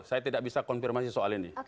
saya tidak bisa konfirmasi soal ini